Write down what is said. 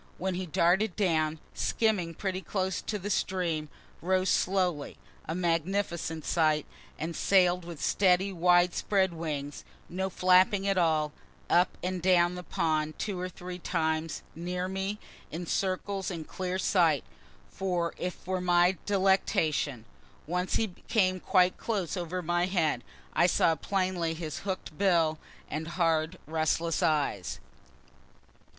Then he darted down, skimming pretty close to the stream rose slowly, a magnificent sight, and sail'd with steady wide spread wings, no flapping at all, up and down the pond two or three times, near me, in circles in clear sight, as if for my delectation. Once he came quite close over my head; I saw plainly his hook'd bill and hard restless eyes.